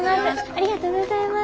ありがとうございます。